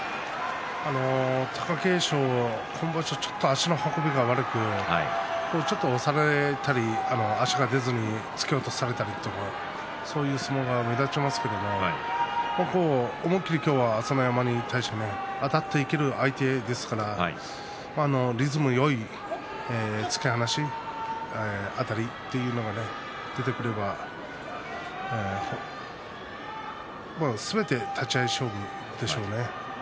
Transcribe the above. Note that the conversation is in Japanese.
貴景勝は今場所ちょっと足の運びが悪くちょっと下がったり足が出ずに突き落とされたりそういう相撲が目立ちますけれど今日は思い切り朝乃山に対してあたっていける相手ですからリズムよい突き放しあたりというのが出てくればすべて立ち合い勝負でしょうね。